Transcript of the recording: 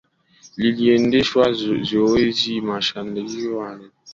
liliendeshwa zoezi maridhawa la kuwaondoa nchini humo raian wote